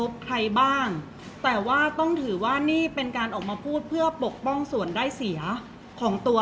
เพราะว่าสิ่งเหล่านี้มันเป็นสิ่งที่ไม่มีพยาน